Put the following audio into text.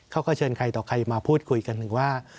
เขาก็เชิญใครต่อใครมาพูดคุยกันถึงว่า